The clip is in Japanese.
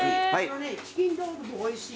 チキンロールおいしい。